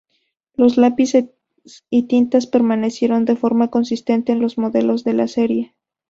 Los lápices y tintas permanecieron de forma consistente en los modelos de la serie.